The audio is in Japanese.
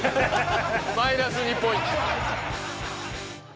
マイナス２ポイント。